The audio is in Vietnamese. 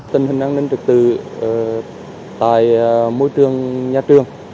tình hình an ninh trực tự tại môi trường nhà trường